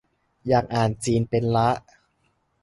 อยากอ่านจีนเป็นละ